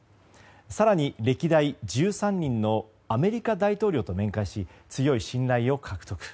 更に歴代１３人のアメリカ大統領と面会し強い信頼を獲得。